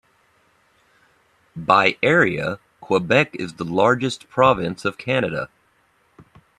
By area, Quebec is the largest province of Canada.